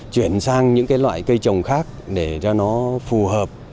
chuyển sang những loại cây trồng khác để cho nó phù hợp